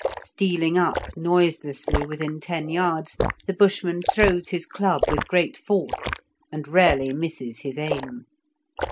Stealing up noiselessly within ten yards, the Bushman throws his club with great force, and rarely misses his aim.